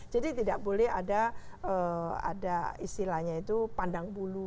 jadi tidak boleh ada istilahnya itu pandang bulu